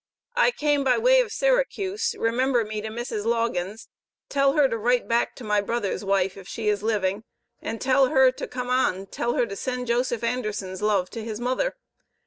I came by the way of syracruse remember me to Mrs. logins, tel her to writ back to my brothers wife if she is living and tel her to com on tel her to send Joseph Andersons love to his mother.